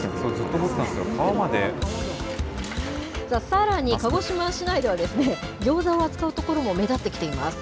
さらに鹿児島市内では、ギョーザを扱うところも目立ってきています。